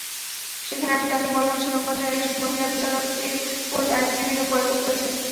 সেখানে আমি তাঁকে বললাম, সুনামগঞ্জের একজন মহিলা বিচারকের কোর্ট আইনজীবীরা বয়কট করছেন।